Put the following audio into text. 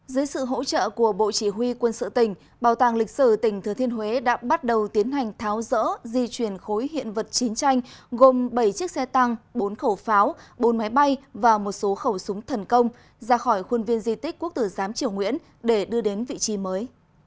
dưới sự hỗ trợ của bộ chỉ huy quân sự tỉnh bảo tàng lịch sử tỉnh thừa thiên huế đã bắt đầu tiến hành tháo rỡ di chuyển khối hiện vật chiến tranh gồm bảy chiếc xe tăng bốn khẩu pháo bốn máy bay và một số khẩu súng thần công ra khỏi khuôn viên di tích quốc tử giám triều nguyễn để đưa đến vị trí mới